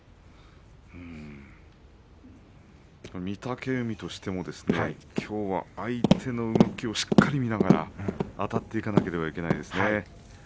御嶽海としてもきょうは相手の動きをしっかり見ながらあたっていかなければいけないですね。